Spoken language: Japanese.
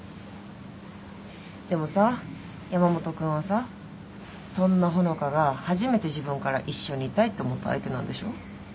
でもさ山本君はさそんな穂香が初めて自分から一緒にいたいって思った相手なんでしょ？